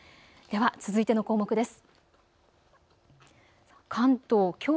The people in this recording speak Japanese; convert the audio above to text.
では、続いての項目です。